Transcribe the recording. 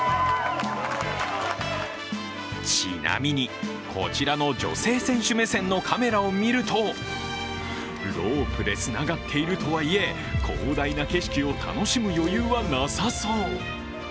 ちなみに、こちらの女子選手目線のカメラを見るとロープでつながっているとはいえ、広大な景色を楽しむ余裕はなさそう。